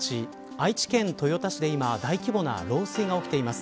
愛知県豊田市で今大規模な漏水が起きています。